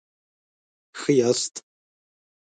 ښه یاست؟